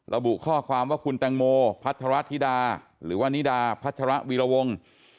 ระบุข้อความว่าคุณแตงโมพัทรธิดาหรือว่านิดาพัชระวีรวงศ์